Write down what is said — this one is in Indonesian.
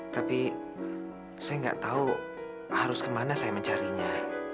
tapi saya nggak tahu harus kemana saya mencarinya